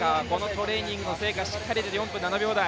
トレーニングの成果がしっかり出て、４分７秒台。